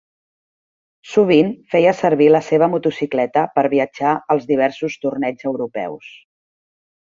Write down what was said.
Sovint feia servir la seva motocicleta per viatjar als diversos torneigs europeus.